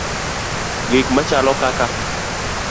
Gik machalo kaka